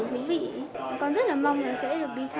con rất là mong là sẽ được đi thăm nhiều địa điểm như thế nào được